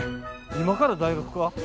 今から大学か？